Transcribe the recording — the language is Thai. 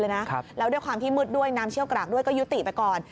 แล้วด้วยความที่มืดด้วยน้ำเชี่ยวกรากด้วยก็ยุติไปก่อน